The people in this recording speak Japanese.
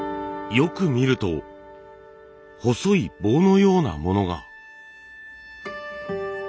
よく見ると細い棒のようなものが。